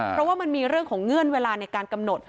เพราะว่ามันมีเรื่องของเงื่อนเวลาในการกำหนด